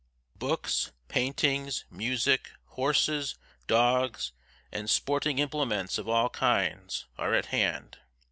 Books, paintings, music, horses, dogs, and sporting implements of all kinds, are at hand.